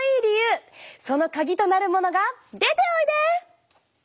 そのカギとなるものが出ておいで！